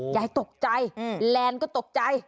ยายตกใจแลนด์ก็ตกใจ